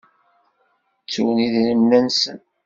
Ttun idrimen-nsen.